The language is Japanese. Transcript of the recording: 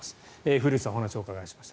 古内さんにお話をお伺いしました。